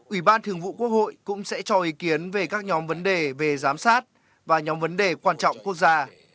ủy ban thường vụ quốc hội cũng sẽ cho ý kiến về các nhóm vấn đề về giám sát và nhóm vấn đề quan trọng quốc gia